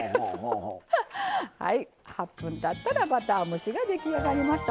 はい８分たったらバター蒸しが出来上がりました。